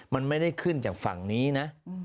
มันไม่ได้ขึ้นจากฝั่งนี้นะ